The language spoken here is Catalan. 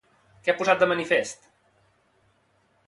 Què ha posat de manifest?